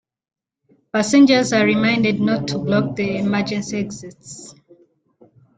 Passengers are reminded not to block the emergency exits.